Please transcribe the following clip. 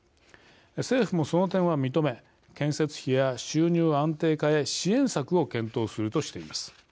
政府もその点は認め建設費や収入安定化へ支援策を検討するとしています。